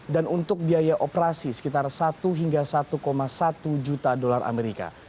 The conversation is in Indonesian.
dan untuk biaya operasi sekitar satu hingga satu satu juta dolar amerika